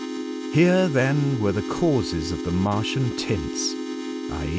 Here, then, were the causes of the Martian tints — i.e.